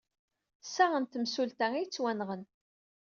Sa n temsulta ay yettwenɣen.